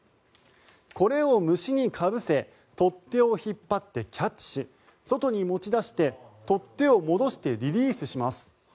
これを虫にかぶせ取っ手を引っ張ってキャッチし外に持ち出して取っ手を戻してリリースします。